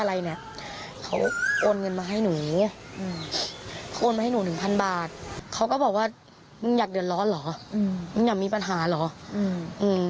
ปัญหาเหรออยากมีปัญหาและต่อจับอยากใช้และอีกอย่าง